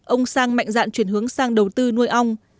ông sang mạnh dạn chuyển hướng sang đầu tư nuôi ong